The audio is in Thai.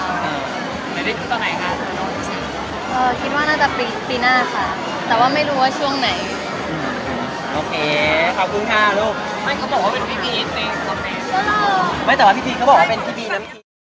ไม่เขาบอกว่าเป็นพี่พีเห็นจริงไม่แต่ว่าพี่พีเขาบอกว่าเป็นพี่พีนะ